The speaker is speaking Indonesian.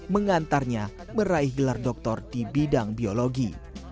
mengantarnya meraih gelar doktor di bidang biologi